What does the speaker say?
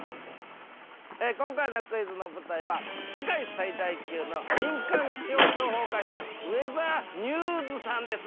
◆今回のクイズの舞台は、世界最大級の民間気象情報会社ウェザーニューズさんです。